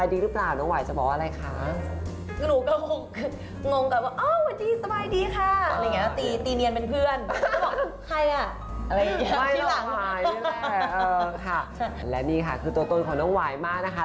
อะไรอย่างนี้ที่หลังค่ะแล้วนี่ค่ะคือตัวตนของน้องหวายมากนะคะ